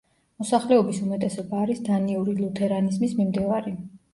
მოსახლეობის უმეტესობა არის დანიური ლუთერანიზმის მიმდევარი.